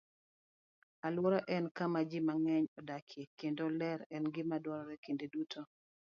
Alwora en kama ji mang'eny odakie, kendo ler en gima dwarore kinde duto.